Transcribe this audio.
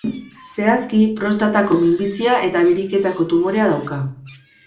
Zehazki, prostatako minbizia eta biriketako tumorea dauka.